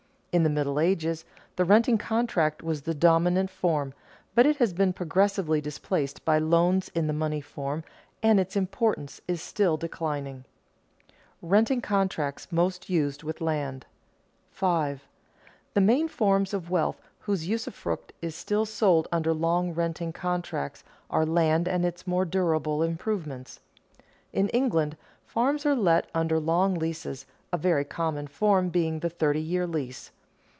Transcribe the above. In the Middle Ages the renting contract was the dominant form, but it has been progressively displaced by loans in the money form, and its importance is still declining. [Sidenote: Renting contracts most used with land] 5. _The main forms of wealth whose usufruct is still sold under long renting contracts are land and its more durable improvements._ In England farms are let under long leases, a very common form being the thirty year lease.